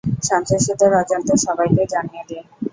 সন্ত্রাসীদের অজান্তে সবাইকে জানিয়ে দে।